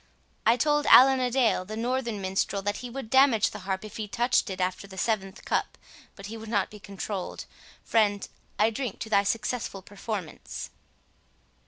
—I told Allan a Dale, the northern minstrel, that he would damage the harp if he touched it after the seventh cup, but he would not be controlled—Friend, I drink to thy successful performance."